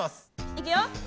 いくよ！